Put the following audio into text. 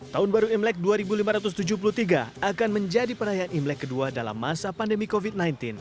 tahun baru imlek dua ribu lima ratus tujuh puluh tiga akan menjadi perayaan imlek kedua dalam masa pandemi covid sembilan belas